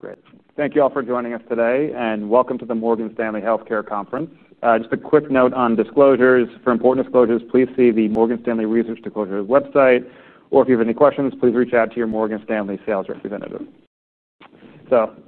Great. Thank you all for joining us today, and welcome to the Morgan Stanley Health Care Conference. Just a quick note on disclosures. For important disclosures, please see the Morgan Stanley Research Disclosure website. If you have any questions, please reach out to your Morgan Stanley sales representative.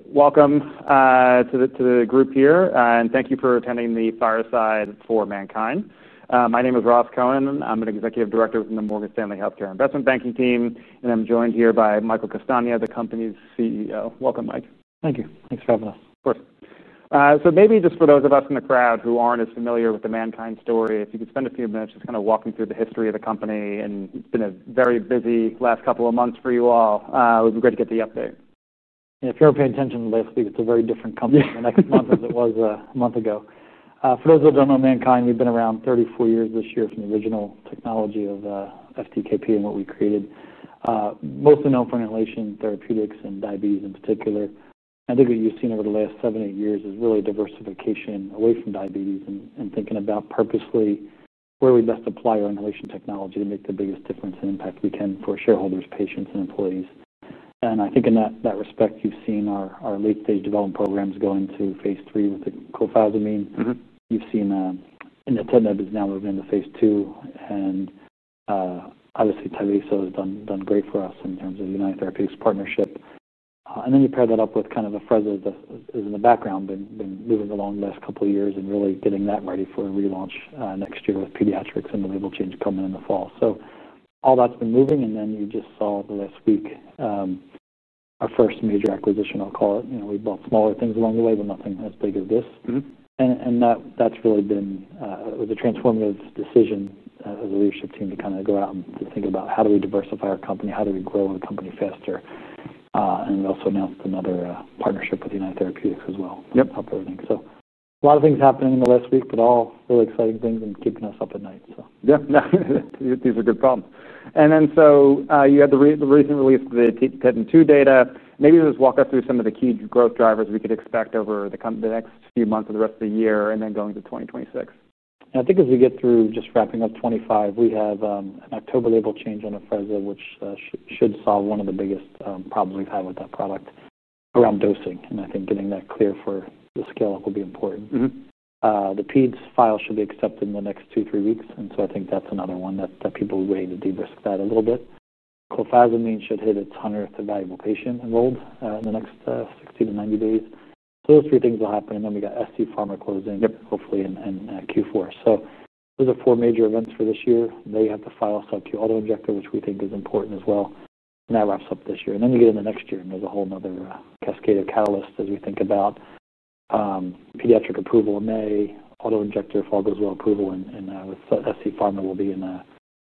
Welcome to the group here, and thank you for attending the fireside for MannKind. My name is Ross Cohen, and I'm an Executive Director in the Morgan Stanley Health Care Investment Banking team. I'm joined here by Michael Castagna, the company's CEO. Welcome, Mike. Thank you. Thanks for having us. Of course. Maybe just for those of us in the crowd who aren't as familiar with the MannKind story, if you could spend a few minutes just kind of walking through the history of the company. It's been a very busy last couple of months for you all. It would be great to get the update. If you ever pay attention, you'll see it's a very different company in the next month than it was a month ago. For those of us who don't know, MannKind, we've been around 34 years this year from the original technology of FTKP and what we created, mostly known for inhalation therapeutics and diabetes in particular. I think what you've seen over the last seven, eight years is really diversification away from diabetes and thinking about purposefully where we best apply our inhalation technology to make the biggest difference and impact we can for shareholders, patients, and employees. I think in that respect, you've seen our late-stage development programs go into phase three with the cofazamine. You've seen nintedanib is now moving into phase two. Obviously, Tyvaso DPI has done great for us in terms of the United Therapeutics partnership. You pair that up with kind of the Afrezza that is in the background, been moving along the last couple of years and really getting that ready for a relaunch next year with pediatrics and the label change coming in the fall. All that's been moving. You just saw last week our first major acquisition, I'll call it. We've bought smaller things along the way, but nothing as big as this. That really was a transformative decision of the leadership team to kind of go out and think about how do we diversify our company? How do we grow the company faster? We also announced another partnership with United Therapeutics as well. Yep. A lot of things happening in the last week, but all really exciting things and keeping us up at night. Yeah, these are good problems. You had the recent release of the TEPTEN-2 data. Maybe just walk us through some of the key growth drivers we could expect over the next few months or the rest of the year and then going to 2026. I think as we get through just wrapping up '25, we have an October label change on Afrezza, which should solve one of the biggest problems we've had with that product around dosing. I think getting that clear for the scale will be important. The PEDS file should be accepted in the next two, three weeks. I think that's another one that people would wait to de-risk that a little bit. Cofazamine should hit its 100th evaluable patient enrolled in the next 60 to 90 days. Those three things will happen. We got SC Pharmaceuticals closing, hopefully, in Q4. Those are four major events for this year. They have the file subQ autoinjector, which we think is important as well. That wraps up this year. You get into next year, and there's a whole nother cascade of catalysts as we think about pediatric approval in May, autoinjector, if all goes well, approval with SC Pharmaceuticals will be in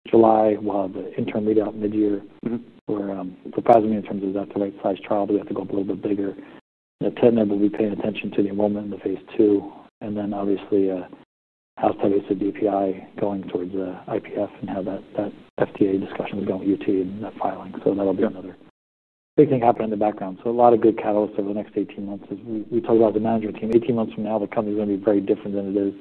July, while the interim readout mid-year for cofazamine in terms of that to right-size trial because we have to go up a little bit bigger. Nintedanib, we'll be paying attention to the enrollment in the phase two. Obviously, how Tyvaso DPI going towards the IPF and how that FDA discussion is going with United Therapeutics and that filing. That'll be another big thing happening in the background. A lot of good catalysts over the next 18 months. As we talked about the management team, 18 months from now, the company is going to be very different than it is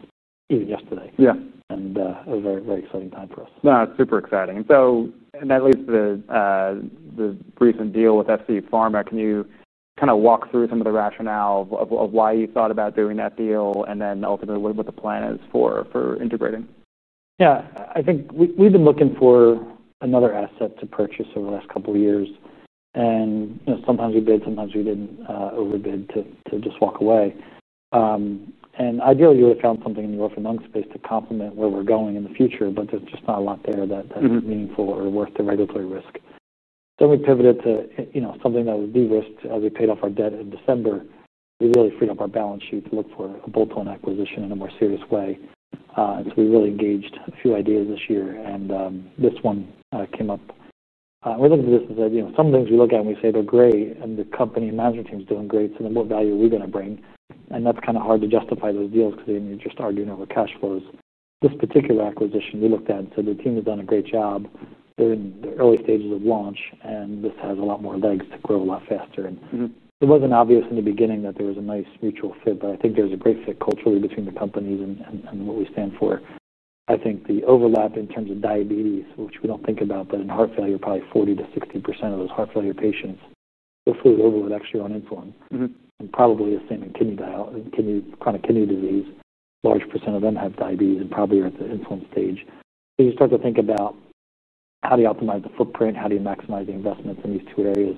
even yesterday. Yeah. is a very, very exciting time for us. That's super exciting. That leads to the recent deal with SC Pharmaceuticals. Can you kind of walk through some of the rationale of why you thought about doing that deal and then ultimately what the plan is for integrating? Yeah. I think we've been looking for another asset to purchase over the last couple of years. Sometimes we bid, sometimes we didn't overbid to just walk away. Ideally, you would have found something in the orphan lung space to complement where we're going in the future, but there's just not a lot there that's meaningful or worth the regulatory risk. We pivoted to something that was de-risked as we paid off our debt in December. We really freed up our balance sheet to look for a bolt-on acquisition in a more serious way. We really engaged a few ideas this year, and this one came up. One of the things is that some things we look at and we say they're great and the company and management team is doing great, so then what value are we going to bring? That's kind of hard to justify those deals because then you're just arguing over cash flows. This particular acquisition, they looked at and said their team has done a great job. They're in the early stages of launch, and this has a lot more legs to grow a lot faster. It wasn't obvious in the beginning that there was a nice mutual fit, but I think there's a great fit culturally between the companies and what we stand for. I think the overlap in terms of diabetes, which we don't think about, but in heart failure, probably 40% to 60% of those heart failure patients go fully over with extra on insulin. Probably the same in chronic kidney disease. Large percent of them have diabetes and probably are at the insulin stage. When you start to think about how do you optimize the footprint, how do you maximize the investments in these two areas,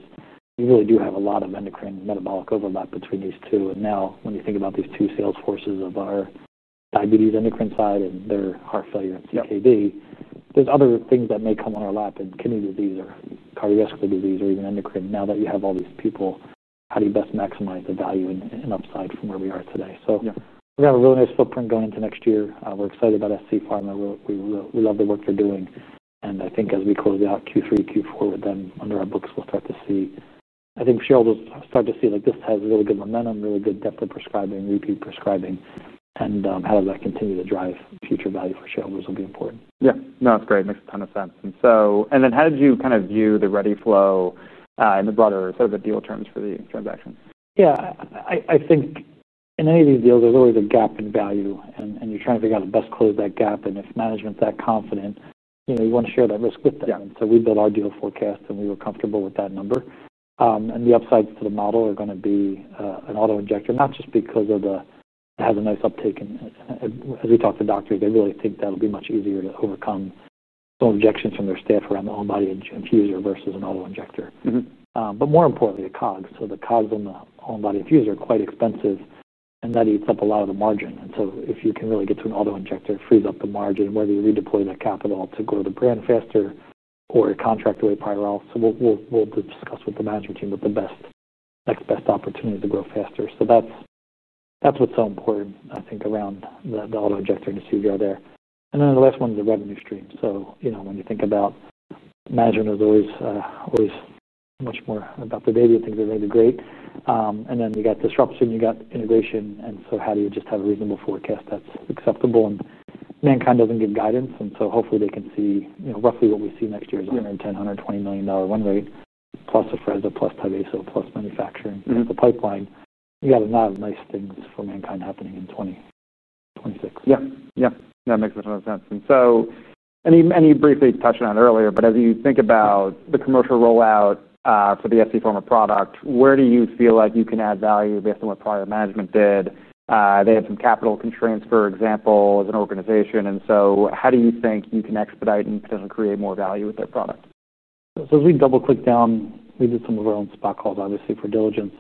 you really do have a lot of endocrine metabolic overlap between these two. Now when you think about these two sales forces of our diabetes endocrine side and their heart failure and chronic kidney disease, there's other things that may come on our lap in kidney disease or cardiovascular disease or even endocrine. Now that you have all these people, how do you best maximize the value and upside from where we are today? We're going to have a really nice footprint going into next year. We're excited about SC Pharmaceuticals. We love the work they're doing. I think as we close out Q3, Q4, then when they're on books, we'll start to see, I think shareholders will start to see like this has really good momentum, really good depth of prescribing, repeat prescribing, and how does that continue to drive future value for shareholders will be important. Yeah, that's great. Makes a ton of sense. How did you kind of view the ready flow in the blood or sort of the deal terms for the transaction? Yeah. I think in any of these deals, there's always a gap in value, and you're trying to figure out how to best close that gap. If management is that confident, you know, you want to share that risk with them. We built our deal forecast, and we were comfortable with that number. The upsides to the model are going to be an autoinjector, not just because it has a nice uptake. As we talked to doctors, they really think that'll be much easier to overcome some objections from their staff around the on-body infuser versus an autoinjector. More importantly, a COG. The COGs in the on-body infuser are quite expensive, and that eats up a lot of the margin. If you can really get to an autoinjector, it frees up the margin whether you redeploy that capital to grow the brand faster or you contract away prior else. We'll discuss with the management team what the next best opportunity to grow faster is. That's what's so important, I think, around the autoinjector and the CVR there. The last one is the revenue stream. When you think about management, it's always, always much more about the baby. Things are going to be great. Then you got disruption, you got integration. How do you just have a reasonable forecast that's acceptable? MannKind doesn't give guidance. Hopefully they can see, you know, roughly what we see next year is $110 million, $120 million win rate plus Afrezza, plus Tyvaso, plus manufacturing the pipeline. You got a lot of nice things for MannKind happening in 2026. Yeah. Yeah. That makes a ton of sense. You briefly touched on it earlier, but as you think about the commercial rollout for the SC Pharmaceuticals product, where do you feel like you can add value based on what prior management did? They have some capital constraints, for example, as an organization. How do you think you can expedite and potentially create more value with their product? As we double-clicked down, we did some of our own spot calls, obviously, for diligence.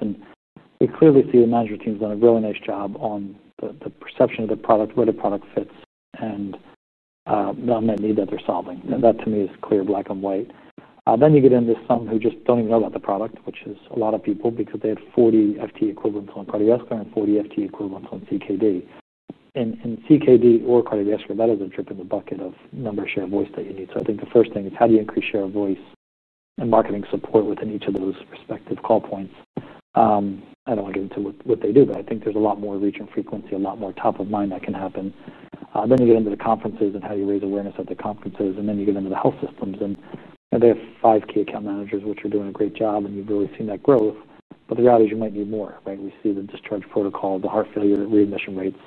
We clearly see the management team's done a really nice job on the perception of the product, where the product fits, and the unmet need that they're solving. That, to me, is clear black and white. You get into some who just don't even know about the product, which is a lot of people because they have 40 FTE equivalents on cardiovascular and 40 FTE equivalents on chronic kidney disease. In chronic kidney disease or cardiovascular, that is a dripping bucket of number share of voice that you need. I think the first thing is how do you increase share of voice and marketing support within each of those respective call points? I don't want to get into what they do, but I think there's a lot more leech and frequency, a lot more top of mind that can happen. You get into the conferences and how do you raise awareness at the conferences. You get into the health systems. They have five key account managers, which are doing a great job. You've really seen that growth. The reality is you might need more, right? We see the discharge protocol, the heart failure, the readmission rates.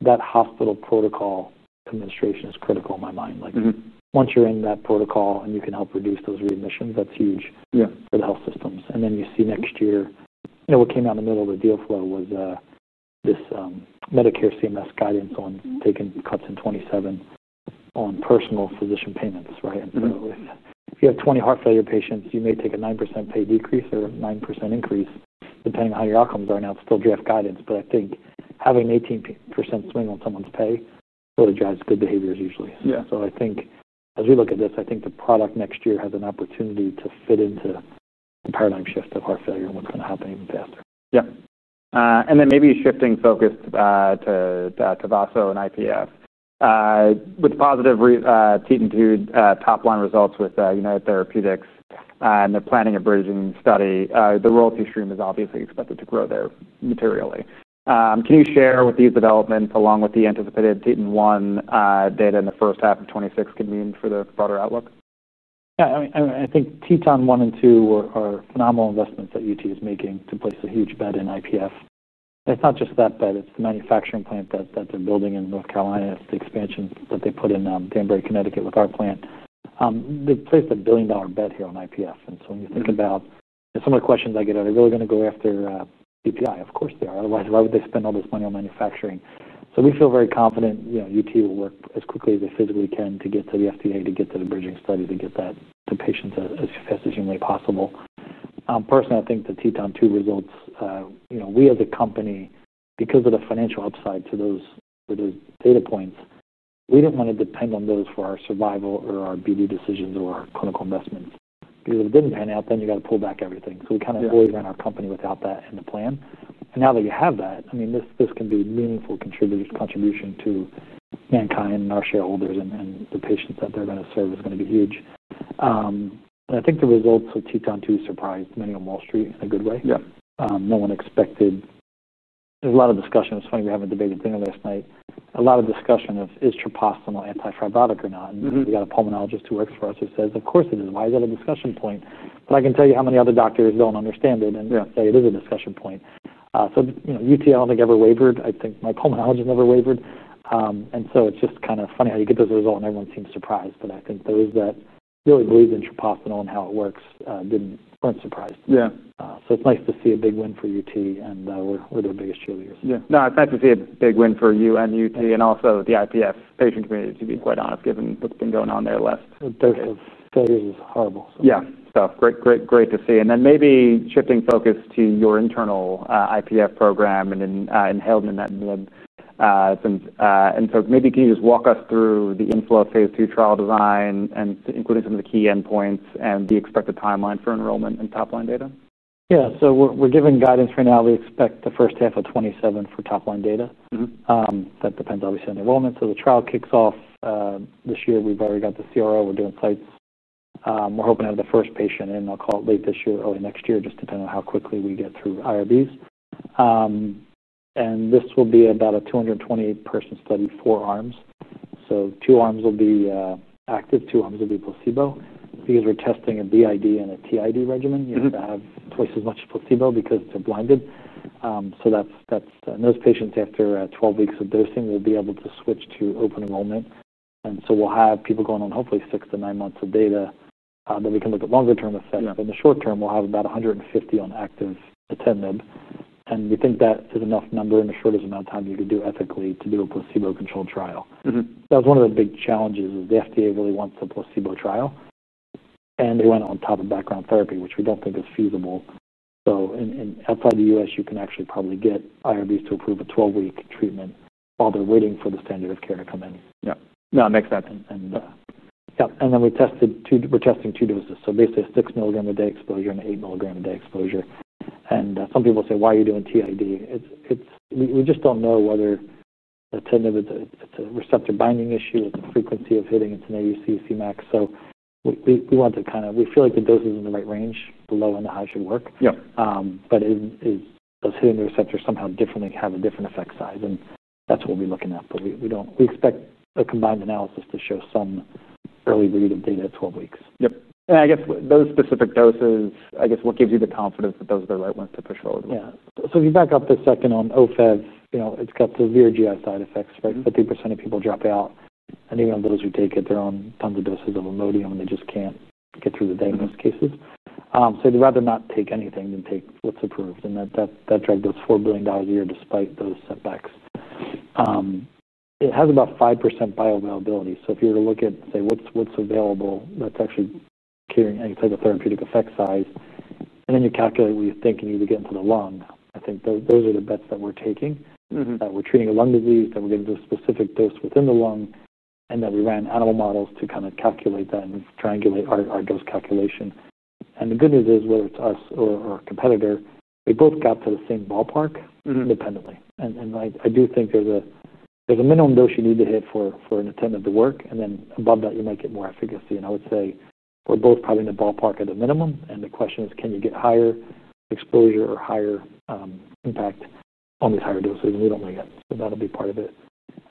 That hospital protocol administration is critical in my mind. Once you're in that protocol and you can help reduce those readmissions, that's huge for the health systems. You see next year, what came out in the middle of the deal flow was this Medicare CMS guidance on taking cuts in 2027 on personal physician payments, right? If you have 20 heart failure patients, you may take a 9% pay decrease or a 9% increase depending on how your outcomes are. Now it's still draft guidance, but I think having an 18% swing on someone's pay really drives good behaviors usually. Yeah. I think as we look at this, I think the product next year has an opportunity to fit into the paradigm shift of heart failure and what's going to happen even faster. Yeah, and then maybe shifting focus to Tyvaso DPI and IPF. With positive TEPTEN-2 top line results with United Therapeutics, and the planning of bridging study, the royalty stream is obviously expected to grow there materially. Can you share with these developments along with the anticipated TEPTEN-1 data in the first half of 2026 convene for the broader outlook? Yeah. I mean, I think TEPTEN-1 and TEPTEN-2 are phenomenal investments that United Therapeutics is making to place a huge bet in idiopathic pulmonary fibrosis. It's not just that bet. It's the manufacturing plant that they're building in North Carolina. It's the expansion that they put in Danbury, Connecticut with our plant. They've placed a billion-dollar bet here on idiopathic pulmonary fibrosis. When you think about some of the questions I get out, are they really going to go after Tyvaso DPI? Of course they are. Otherwise, why would they spend all this money on manufacturing? We feel very confident United Therapeutics will work as quickly as they physically can to get to the FDA, to get to the bridging study, to get that to patients as fast as humanly possible. Personally, I think the TEPTEN-2 results, we as a company, because of the financial upside to those data points, we didn't want to depend on those for our survival or our business development decisions or our clinical investments. Because if it didn't pan out, then you got to pull back everything. We kind of always ran our company without that in the plan. Now that you have that, this can be a meaningful contribution to MannKind and our shareholders and the patients that they're going to serve is going to be huge. I think the results with TEPTEN-2 surprised many on Wall Street in a good way. Yeah. No one expected. There's a lot of discussion. It's funny we're having a debate at dinner last night. A lot of discussion of is Tyvaso DPI an antifibrotic or not? You got a pulmonologist who works for us who says, of course it is. Why is that a discussion point? I can tell you how many other doctors don't understand it and say it is a discussion point. UT, I don't think ever wavered. I think my pulmonologist never wavered. It's just kind of funny how you get those results and everyone seems surprised. I think those that really believe in Tyvaso DPI and how it works weren't surprised. Yeah. It's nice to see a big win for United Therapeutics and we're their biggest cheerleaders. Yeah. No, it's nice to see a big win for you and United Therapeutics and also the IPF patient community, to be quite honest, given what's been going on their list. The dose of studies is horrible. Great to see. Maybe shifting focus to your internal IPF program and inhaled nintedanib. Can you just walk us through the inflow phase two trial design, including some of the key endpoints and the expected timeline for enrollment and top line data? Yeah. We're giving guidance right now. We expect the first half of 2027 for top line data. That depends, obviously, on the enrollment. The trial kicks off this year. We've already got the CRO. We're doing sites. We're hoping to have the first patient, and I'll call it late this year, early next year, just depending on how quickly we get through IRBs. This will be about a 228-person study, four arms. Two arms will be active, two arms will be placebo. These are testing a BID and a TID regimen. You have to have twice as much placebo because they're blinded. Those patients, after 12 weeks of dosing, they'll be able to switch to open enrollment. We'll have people going on hopefully six to nine months of data that we can look at for longer-term effects. In the short term, we'll have about 150 on active nintedanib. We think that is enough number in the shortest amount of time you could do ethically to do a placebo-controlled trial. That was one of the big challenges, as the FDA really wants a placebo trial. They want it on top of background therapy, which we don't think is feasible. Outside the U.S., you can actually probably get IRBs to approve a 12-week treatment while they're waiting for the standard of care to come in. Yeah, no, it makes sense. Yeah. We tested two, we're testing two doses. Basically, a 6 milligram a day exposure and an 8 milligram a day exposure. Some people say, why are you doing TID? We just don't know whether nintedanib, it's a receptor binding issue, it's a frequency of hitting, it's an ADC CMAC. We want to kind of, we feel like the dose is in the right range. The low and the high should work. Yeah. Do those hitting the receptor somehow differently have a different effect size? That's what we'll be looking at. We expect a combined analysis to show some early read of data at 12 weeks. Yes. I guess those specific doses, I guess what gives you the confidence that those are the right ones to push forward with? Yeah. If you back up a second on OFEV, you know, it's got severe GI side effects, right? 50% of people drop out. Even those who take it, they're on tons of doses of Imodium and they just can't get through the day in most cases. They'd rather not take anything than take what's approved. That drug does $4 billion a year despite those setbacks. It has about 5% bioavailability. If you were to look at, say, what's available, that's actually carrying any type of therapeutic effect size, and then you calculate what you think you need to get into the lung, I think those are the bets that we're taking, that we're treating a lung disease, that we're getting to a specific dose within the lung, and that we ran animal models to kind of calculate that and triangulate our dose calculation. The good news is, whether it's us or a competitor, we both got to the same ballpark independently. I do think there's a minimum dose you need to hit for nintedanib to work, and then above that, you might get more efficacy. I would say we're both probably in the ballpark at a minimum. The question is, can you get higher exposure or higher impact on these higher doses? We don't know yet. That'll be part of it.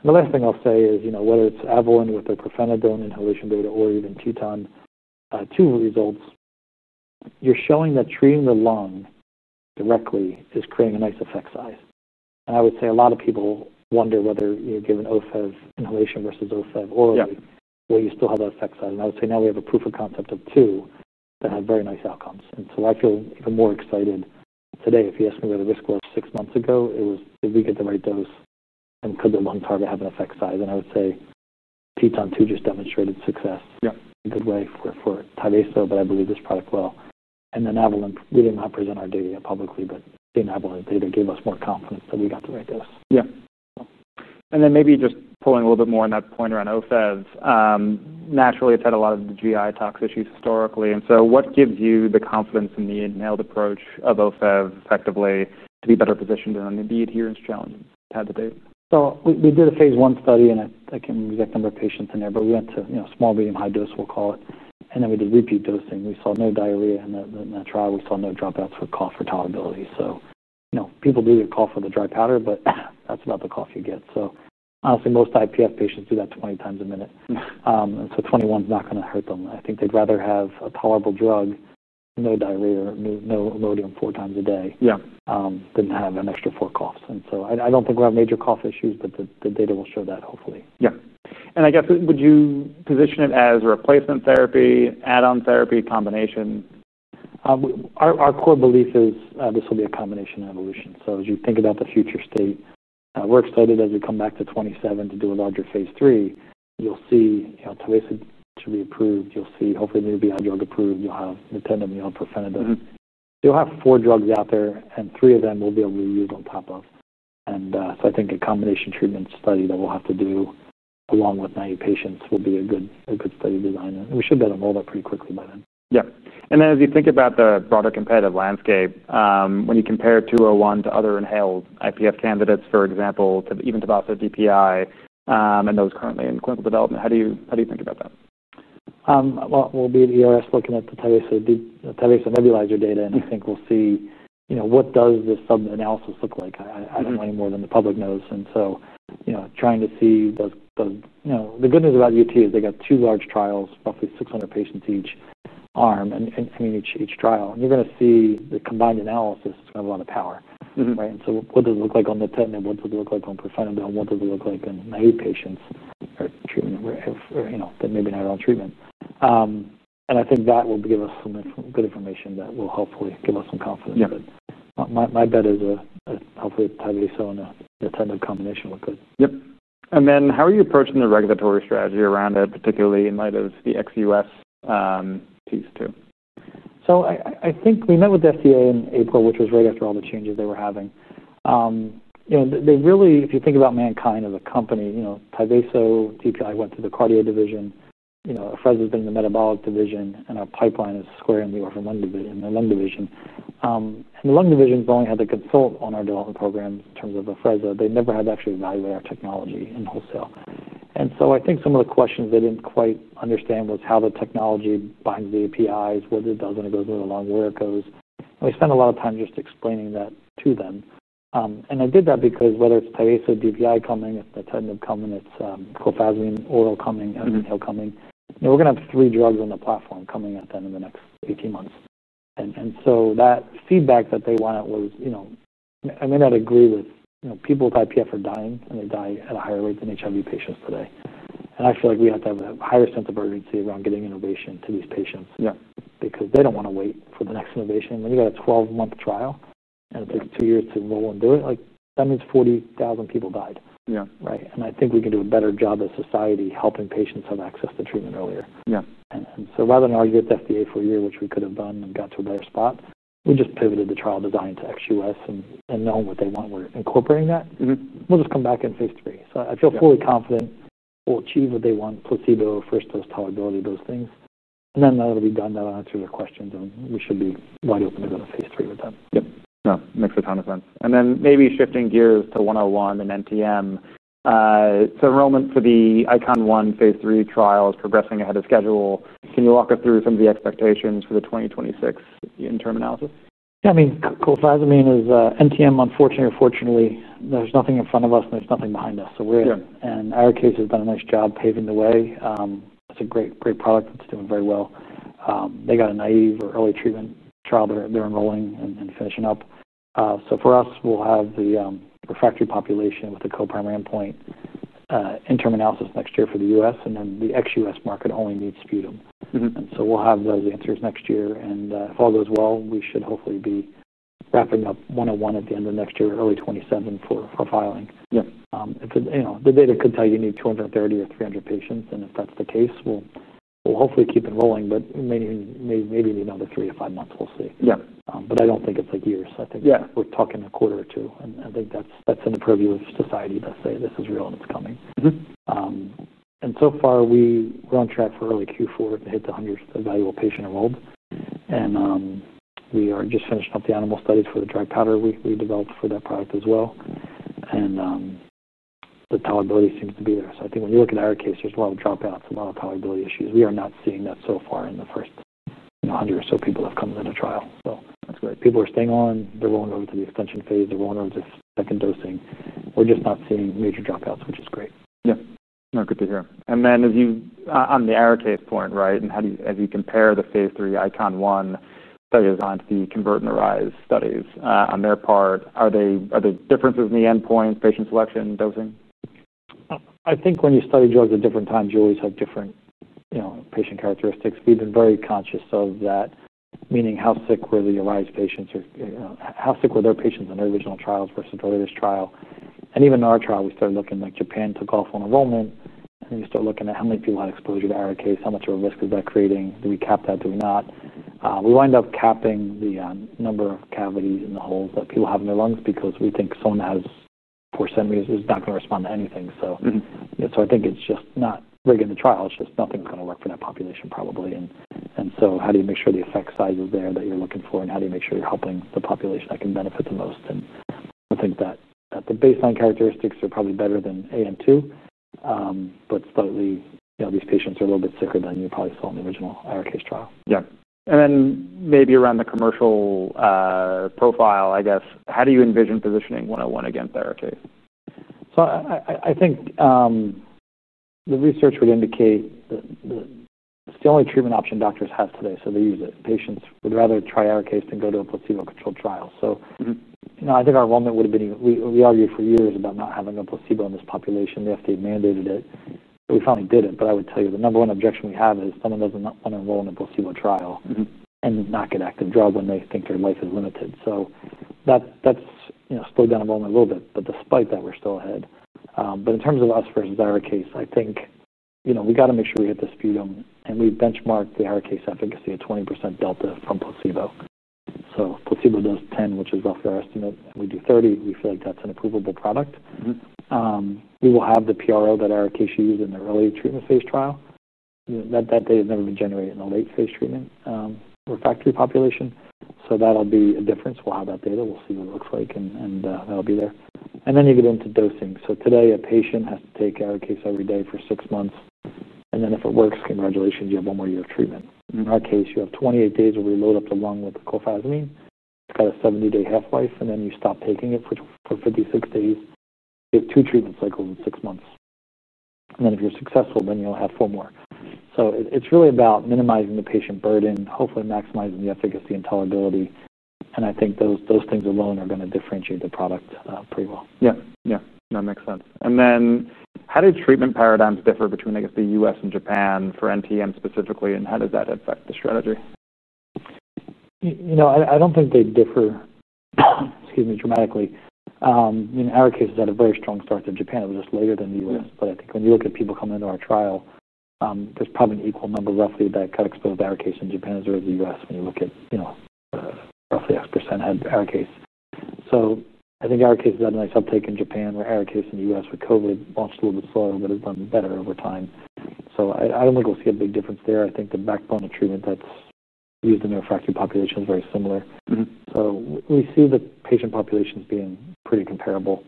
The last thing I'll say is, whether it's Avalon with a pirfenidone inhalation beta or even TEPTEN-2 results, you're showing that treating the lung directly is creating a nice effect size. I would say a lot of people wonder whether you give an OFEV inhalation versus OFEV orally, will you still have that effect size? I would say now we have a proof of concept of two that have very nice outcomes. I feel even more excited today. If you ask me where the risk was six months ago, it was if we get the right dose and cut the lung target, have an effect size. I would say TEPTEN-2 just demonstrated success in a good way for Tyvaso DPI, but I believe this product will. Avalon, we didn't represent our data yet publicly, but in Avalon, the data gave us more confidence that we got the right dose. Yeah. Maybe just pulling a little bit more on that point around nintedanib. Naturally, it's had a lot of the GI tox issues historically. What gives you the confidence in the inhaled approach of nintedanib effectively to be better positioned in the adherence challenge at the date? We did a phase one study, and I can't remember exactly the patient in there, but we went to, you know, small, medium, high dose, we'll call it. We did repeat dosing. We saw no diarrhea in the trial. We saw no dropouts for cough or tolerability. People do get cough with a dry powder, but that's about the cough you get. Honestly, most IPF patients do that 20 times a minute, and 21 is not going to hurt them. I think they'd rather have a tolerable drug, no diarrhea, or no Imodium four times a day than have an extra four coughs. I don't think we'll have major cough issues, but the data will show that hopefully. Would you position it as a replacement therapy, add-on therapy, or combination? Our core belief is this will be a combination in evolution. As you think about the future state, we're excited as we come back to 2027 to do a larger phase three. You'll see Tyvaso DPI to be approved. You'll see hopefully cofazamine (101) drug approved. You'll have nintedanib (201), you'll have pirfenidone. You'll have four drugs out there, and three of them we'll be able to use on top of. I think a combination treatment study that we'll have to do along with 90 patients will be a good study design. We should be able to roll that pretty quickly by then. As you think about the broader competitive landscape, when you compare 201 to other inhaled IPF candidates, for example, to even to about 50 PI and those currently in clinical development, how do you think about that? We'll be at ERS looking at the Tyvaso DPI nebulizer data, and you think we'll see, you know, what does this sub-analysis look like? I don't know any more than the public knows. You know, trying to see the good news about United Therapeutics is they got two large trials, roughly 600 patients each arm in each trial. You're going to see the combined analysis is going to have a lot of power, right? What does it look like on nintedanib? What does it look like on pirfenidone? What does it look like in 90 patients or treatment, or you know, that maybe not on treatment? I think that will give us some good information that will hopefully give us some confidence. My bet is hopefully Tyvaso DPI and nintedanib combination look good. Yep. How are you approaching the regulatory strategy around it, particularly in light of the XUS piece too? I think we met with the FDA in April, which was right after all the changes they were having. If you think about MannKind as a company, Tyvaso DPI went to the cardio division, Afrezza's been in the metabolic division, and our pipeline is squaring the orphan lung division. The lung division has only had to consult on our development programs in terms of Afrezza. They never had to actually evaluate our technology in wholesale. I think some of the questions they didn't quite understand were how the technology binds the APIs, what it does when it goes into the lung, where it goes. We spent a lot of time just explaining that to them. I did that because whether it's Tyvaso DPI coming, if nintedanib coming, it's cofazamine oral coming, inhaled coming, we're going to have three drugs on the platform coming at the end of the next 18 months. That feedback that they wanted was, you know, I may not agree with, you know, people with IPF are dying, and they die at a higher rate than HIV patients today. I feel like we have to have a higher sense of urgency around getting innovation to these patients. Yeah. Because they don't want to wait for the next innovation. When you got a 12-month trial and it takes two years to roll and do it, that means 40,000 people died. Yeah. I think we can do a better job as society helping patients have access to treatment earlier. Yeah. Rather than arguing with the FDA for a year, which we could have done and got to a better spot, we just pivoted the trial design to XUS and know what they want. We're incorporating that. We'll just come back in phase three. I feel fully confident we'll achieve what they want: placebo, first dose, tolerability, those things. That'll be done. That'll answer their questions. We should be wide open to go to phase three with them. No, it makes a ton of sense. Maybe shifting gears to 101 and NTM, enrollment for the ICON-1 phase three trial is progressing ahead of schedule. Can you walk us through some of the expectations for the 2026 interim analysis? Yeah, I mean, cofazamine is NTM. Unfortunately or fortunately, there's nothing in front of us and there's nothing behind us. In our case, Insmed has done a nice job paving the way. It's a great, great product that's doing very well. They got a naive or early treatment trial they're enrolling and finishing up. For us, we'll have the refractory population with the co-primary endpoint interim analysis next year for the U.S. The ex-U.S. market only needs sputum, and we'll have those answers next year. If all goes well, we should hopefully be staffing up 101 at the end of next year, early 2027 for filing. Yes. If the data could tell you you need 230 or 300 patients, and if that's the case, we'll hopefully keep enrolling, but maybe you need another three to five months. We'll see. Yeah. I don't think it's like years. I think we're talking a quarter or two. I think that's in the purview of society to say this is real and it's coming. So far, we're on track for early Q4 to hit the 100th evaluable patient enrolled. We are just finishing up the animal studies for the dry powder we developed for that product as well, and the tolerability seems to be there. I think when you look at our case, there's a lot of dropouts, a lot of tolerability issues. We are not seeing that so far in the first, you know, 100 or so people that have come in at a trial, so that's great. People are staying on. They're rolling over to the extension phase, they're rolling over to second dosing. We're just not seeing major dropouts, which is great. Yeah, no, good to hear. As you, on the IR case point, right, how do you, as you compare the phase 3 ICON-1 studies onto the Convert and Arise studies on their part, are there differences in the endpoints, patient selection, dosing? I think when you study drugs at different times, you always have different, you know, patient characteristics. We've been very conscious of that, meaning how sick were the Arise patients? You know, how sick were their patients on their original trials versus the latest trial? Even in our trial, we started looking at Japan took off on enrollment. You start looking at how many people had exposure to IR case, how much of a risk is that creating? Do we cap that? Do we not? We wind up capping the number of cavities in the holes that people have in their lungs because we think someone that has 4 centimeters is not going to respond to anything. I think it's just not rigging the trial. It's just nothing's going to work for that population probably. How do you make sure the effect size is there that you're looking for? How do you make sure you're helping the population that can benefit the most? I think that the baseline characteristics are probably better than AM2, but slightly, you know, these patients are a little bit sicker than you probably saw in the original IR case trial. Yeah, maybe around the commercial profile, I guess, how do you envision positioning cofazamine (101) against IR case? I think the research would indicate that it's the only treatment option doctors have today. They use it. Patients would rather try IR case than go to a placebo-controlled trial. I think our enrollment would have been, we argued for years about not having a placebo in this population. The FDA mandated it. We finally did it. I would tell you the number one objection we have is someone doesn't want to enroll in a placebo trial and not get active drug when they think their life is limited. That's slowed down enrollment a little bit. Despite that, we're still ahead. In terms of us versus IR case, I think we got to make sure we hit the sputum. We've benchmarked the IR case efficacy at 20% delta from placebo. Placebo dose 10, which is roughly our estimate, we do 30. We feel like that's an approvable product. We will have the PRO that IR case used in the early treatment phase trial. That data has never been generated in the late phase treatment refractory population. That'll be a difference. We'll have that data. We'll see what it looks like. That'll be there. Then you get into dosing. Today, a patient has to take IR case every day for six months. If it works, congratulations, you have one more year of treatment. In our case, you have 28 days where we load up the lung with cofazamine. It's got a 70-day half-life. Then you stop taking it for 56 days. You have two treatment cycles in six months. If you're successful, then you'll add four more. It's really about minimizing the patient burden, hopefully maximizing the efficacy and tolerability. I think those things alone are going to differentiate the product pretty well. Yeah, yeah, no, it makes sense. How do treatment paradigms differ between, I guess, the U.S. and Japan for NTM specifically? How does that affect the strategy? I don't think they differ, excuse me, dramatically. IR case has had a very strong start in Japan. It was just later than the U.S. When you look at people coming into our trial, there's probably an equal number roughly that got exposed to IR case in Japan as early as the U.S. When you look at, you know, roughly X% had IR case. IR case has done a nice uptake in Japan where IR case in the U.S. with COVID launched a little bit slower, but it's done better over time. I don't think we'll see a big difference there. I think the backbone of treatment that's used in the refractory population is very similar. We see the patient populations being pretty comparable.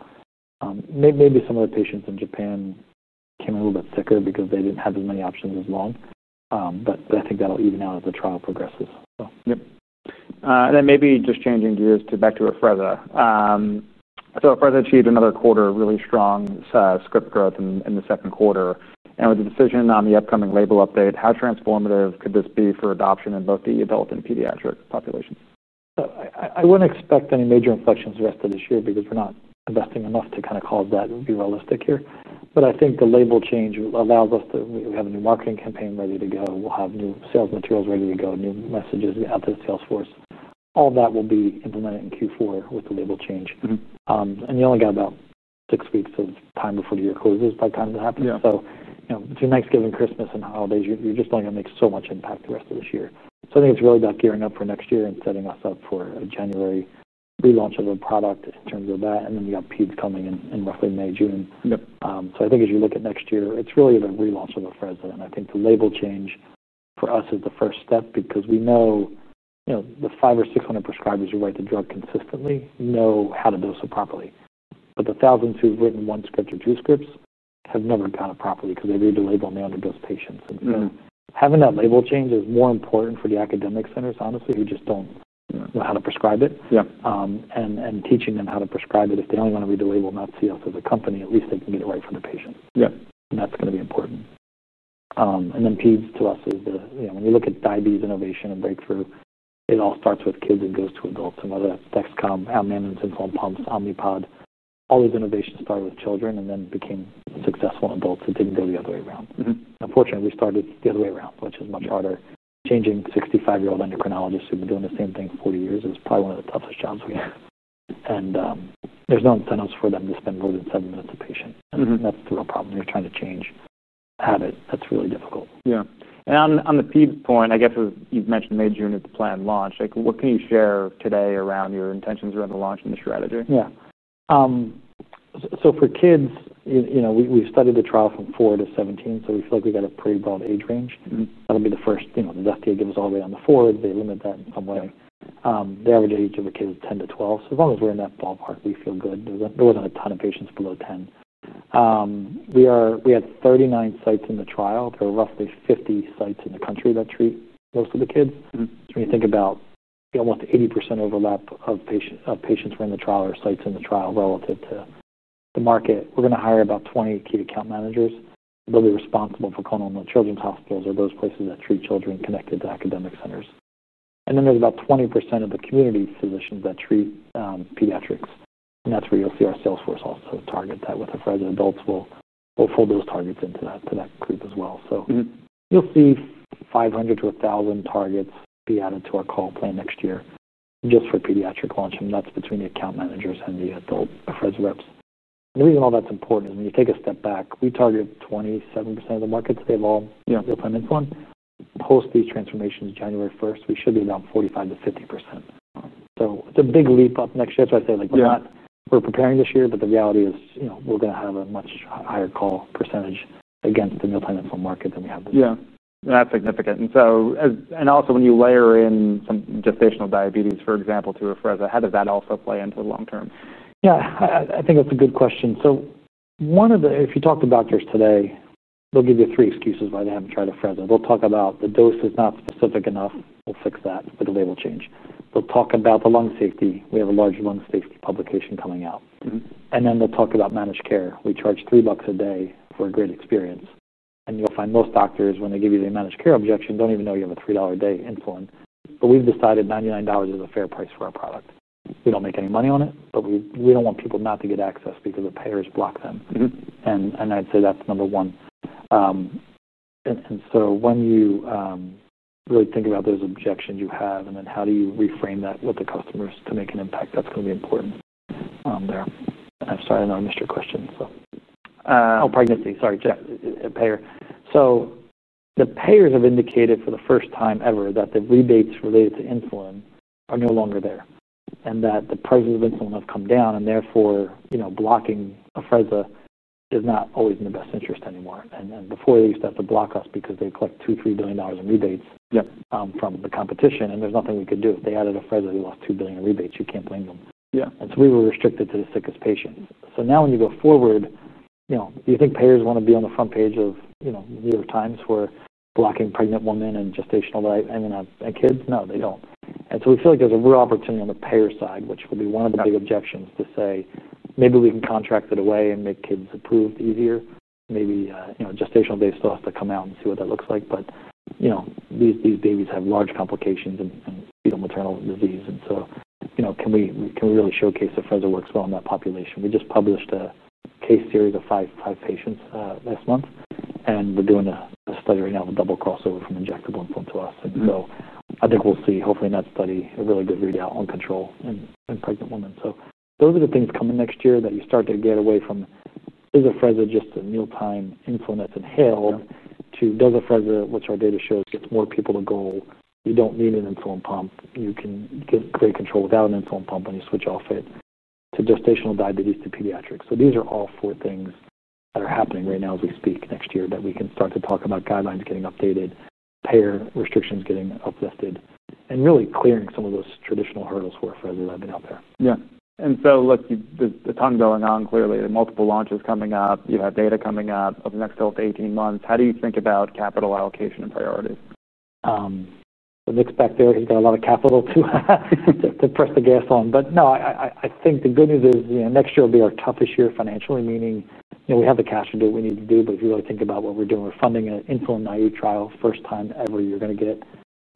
Maybe some of the patients in Japan came a little bit sicker because they didn't have as many options as long. I think that'll even out as the trial progresses. Yep. And then maybe just changing gears to back to Afrezza. So Afrezza achieved another quarter of really strong script growth in the second quarter. With the decision on the upcoming label update, how transformative could this be for adoption in both the adult and pediatric populations? I wouldn't expect any major inflections the rest of this year because we're not investing enough to kind of call that and be realistic here. I think the label change allows us to, we have a new marketing campaign ready to go. We'll have new sales materials ready to go, new messages out to the sales force. All that will be implemented in Q4 with the label change, and you only got about six weeks of time before the year closes by the time that happens. You know, between Thanksgiving, Christmas, and holidays, you're just only going to make so much impact the rest of this year. I think it's really about gearing up for next year and setting us up for a January relaunch of a product in terms of that. You got PEGS coming in in roughly May, June. Yep. I think as you look at next year, it's really the relaunch of Afrezza. I think the label change for us is the first step because we know the 500 or 600 prescribers who write the drug consistently know how to dose it properly. The thousands who've written one script or two scripts have never done it properly because they read the label and they only dose patients. Having that label change is more important for the academic centers, honestly, who just don't know how to prescribe it. Yeah. Teaching them how to prescribe it, if they only want to read the label, not see us as a company, at least they can get it right for their patients. Yeah. That's going to be important. PEGS to us is the, you know, when you look at diabetes innovation and breakthrough, it all starts with kids and goes to adults. Whether that's Dexcom, management, insulin pumps, Omnipod, all these innovations started with children and then became successful in adults and didn't do the other way around. Unfortunately, we started the other way around, which is much harder. Changing 65-year-old endocrinologists who've been doing the same thing for 40 years is probably one of the toughest jobs we have. There's no incentives for them to spend more than seven minutes with a patient. That's the real problem. You're trying to change habits. That's really difficult. Yeah. On the PEGS point, I guess you've mentioned May, June is the planned launch. What can you share today around your intentions around the launch and the strategy? Yeah. For kids, you know, we've studied the trial from four to 17. We feel like we got a pretty bold age range. That'll be the first, you know, the FDA gave us all the way down to four. They limit that in some way. They already did each of the kids 10 to 12. As long as we're in that ballpark, we feel good. There wasn't a ton of patients below 10. We had 39 sites in the trial. There are roughly 50 sites in the country that treat most of the kids. When you think about the almost 80% overlap of patients who are in the trial or sites in the trial relative to the market, we're going to hire about 20 key account managers. They'll be responsible for clonal children's hospitals or those places that treat children connected to academic centers. There's about 20% of the community physicians that treat pediatrics. That's where you'll see our sales force also target that with Afrezza. Adults will fold those targets into that creep as well. You'll see 500 to 1,000 targets be added to our call plan next year just for pediatric launch. That's between the account managers and the adult Afrezza reps. The reason all that's important is when you take a step back, we target 27% of the market to save all new implants. Post these transformations January 1, we should be down 45 to 50%. It's a big leap up next year. If I say like we're not, we're preparing this year, but the reality is, you know, we're going to have a much higher call percentage against the new implant market than we have this year. Yeah. That's significant. Also, when you layer in some gestational diabetes, for example, to Afrezza, how does that also play into the long term? Yeah, I think that's a good question. One of the, if you talk to doctors today, they'll give you three excuses why they haven't tried Afrezza. They'll talk about the dose is not specific enough. We'll fix that with a label change. They'll talk about the lung safety. We have a large lung safety publication coming out. They'll talk about managed care. We charge $3 a day for a great experience. You'll find most doctors, when they give you the managed care objection, don't even know you have a $3 a day insulin. We've decided $99 is a fair price for our product. We don't make any money on it, but we don't want people not to get access because the payers block them. I'd say that's number one. When you really think about those objections you have, and then how do you reframe that with the customers to make an impact, that's going to be important. I'm sorry, I don't understand your question. Oh, pregnancy. Sorry. Payer. The payers have indicated for the first time ever that the rebates related to insulin are no longer there and that the prices of insulin have come down. Therefore, blocking Afrezza is not always in the best interest anymore. Before, they used that to block us because they collect $2 billion, $3 billion in rebates from the competition, and there's nothing we could do. If they added Afrezza, they lost $2 billion in rebates. You can't blame them. Yeah. We were restricted to the sickest patient. Now when you go forward, you know, you think payers want to be on the front page of, you know, New York Times for blocking pregnant women and gestational and kids? No, they don't. We feel like there's a real opportunity on the payer side, which will be one of the big objections to say maybe we can contract it away and make kids approved easier. Maybe, you know, gestational data still has to come out and see what that looks like. These babies have large complications and fetal maternal disease. Can we really showcase Afrezza, what's going on in that population? We just published a case series of five patients this month. They're doing a study right now with double crossover from injectable inflammatory to us. I think we'll see hopefully in that study a really good readout on control in pregnant women. Those are the things coming next year that you start to get away from. Is Afrezza just a new kind of inflow that's inhaled? Does Afrezza, what our data shows, get more people to go? You don't need an insulin pump. You can get great control without an insulin pump when you switch off it to gestational diabetes to pediatrics. These are all four things that are happening right now as we speak next year that we can start to talk about guidelines getting updated, payer restrictions getting uplifted, and really clearing some of those traditional hurdles for Afrezza that have been out there. Yeah, look, there's a ton going on clearly. There are multiple launches coming up. You have data coming up over the next 12 to 18 months. How do you think about capital allocation and priorities? The mixed back there because we've got a lot of capital to press the gas on. I think the good news is, you know, next year will be our toughest year financially, meaning, you know, we have the cash to do what we need to do. If you really think about what we're doing, we're funding an insulin naive trial first time ever. You're going to get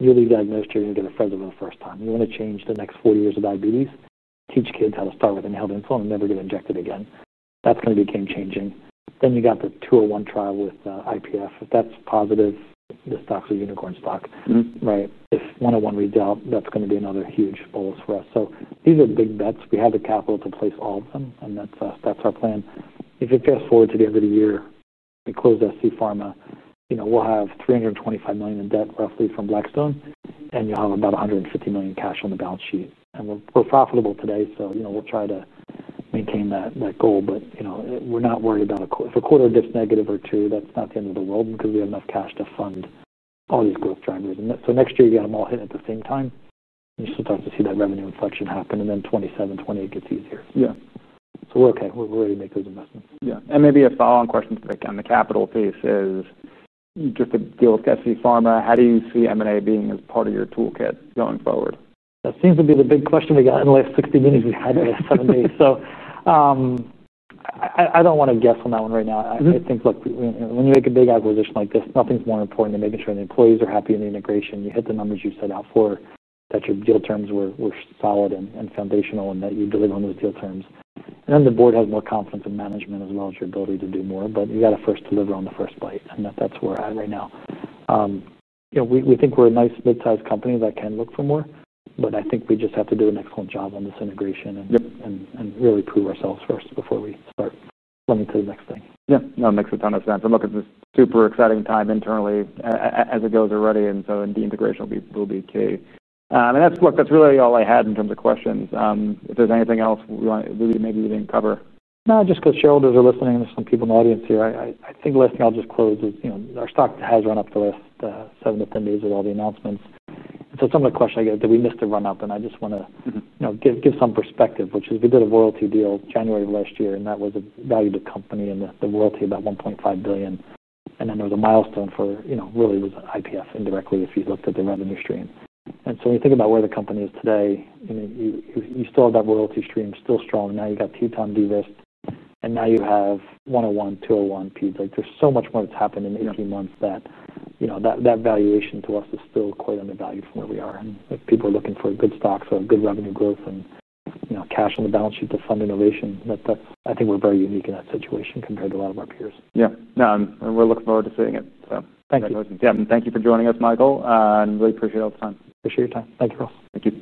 newly diagnosed here. You're going to get Afrezza for the first time. You want to change the next 40 years of diabetes, teach kids how to start with inhaled insulin and never get injected again. That's going to be game-changing. You got the 201 trial with IPF. If that's positive, the stock's a unicorn stock, right? If 101 reads out, that's going to be another huge bolus for us. These are the big bets. We have the capital to place all of them, and that's our plan. If it goes forward to the end of the year, we close SC Pharmaceuticals. You know, we'll have $325 million in debt roughly from Blackstone, and you'll have about $150 million cash on the balance sheet. We're profitable today, so, you know, we'll try to maintain that goal. We're not worried about if a quarter gets negative or two, that's not the end of the world because we have enough cash to fund all the equilibrium. Next year, you got them all hit at the same time. You should start to see that revenue inflection happen, and then 2027, 2028 gets easier. Yeah. We're OK. We're ready to make those investments. Yeah. Maybe a follow-on question to the capital piece is you took a deal with SC Pharmaceuticals. How do you see M&A being as part of your toolkit going forward? That seems to be the big question we got in the last 60 minutes. We had it in seven days. I don't want to guess on that one right now. I think, look, when you make a big acquisition like this, nothing's more important than making sure the employees are happy in the integration. You hit the numbers you set out for, that your deal terms were solid and foundational, and that you deliver them with deal terms. The board has more confidence in management as well as your ability to do more. You got to first deliver on the first bite. That's where we're at right now. You know, we think we're a nice mid-sized company that can look for more. I think we just have to do an excellent job on this integration and really prove ourselves first before we start running to the next thing. Yeah, no, it makes a ton of sense. It's a super exciting time internally as it goes already, so the integration will be key. That's really all I had in terms of questions. If there's anything else we want to maybe even cover. No, just because shareholders are listening and there's some people in the audience here, I think the last thing I'll just close is, you know, our stock has run up the last seven to ten days with all the announcements. Some of the questions I get, did we miss the run up? I just want to, you know, give some perspective, which is we did a royalty deal January of last year, and that was a value to the company and the royalty of about $1.5 billion. There was a milestone for, you know, really was the IPF indirectly if you looked at the revenue stream. When you think about where the company is today, you know, you still have that royalty stream still strong. Now you got TEPTEN-2, DVIST, and now you have 101, 201, PEGS. Like there's so much more that's happened in 18 months that, you know, that valuation to us is still quite undervalued from where we are. If people are looking for a good stock, so a good revenue growth and, you know, cash on the balance sheet to fund innovation, that I think we're very unique in that situation compared to a lot of our peers. Yeah, no, and we'll look forward to seeing it. Thanks. Thank you for joining us, Michael. I really appreciate all the time. Appreciate your time. Thanks, Ross. Thank you.